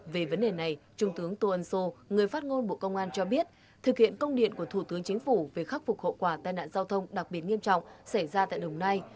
về vấn đề này trung tướng tô ân sô người phát ngôn bộ công an cho biết thực hiện công điện của thủ tướng chính phủ về khắc phục hậu quả tai nạn giao thông đặc biệt nghiêm trọng xảy ra tại đồng nai